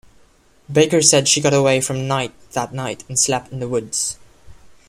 Baker said she got away from Knight that night and slept in the woods.